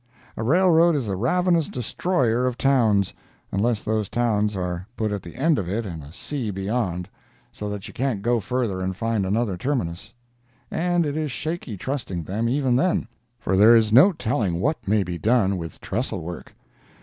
A railroad is a ravenous destroyer of towns, unless those towns are put at the end of it and a sea beyond, so that you can't go further and find another terminus. And it is shaky trusting them, even then, for there is no telling what may be done with trestle work.